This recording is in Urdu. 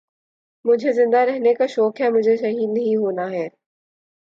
مجھے زندہ رہنے کا شوق ہے مجھے شہید نہیں ہونا ہے